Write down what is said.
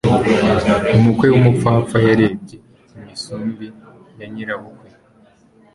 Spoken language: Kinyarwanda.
umukwe w'umupfapfa yarebye imisumbi ya nyirabukwe